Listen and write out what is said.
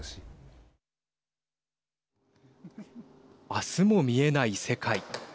明日も見えない世界。